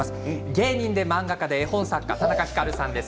芸人で漫画家で絵本作家たなかひかるさんです。